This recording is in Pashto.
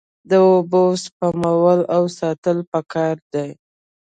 د اوبو سپمول او ساتل پکار دي.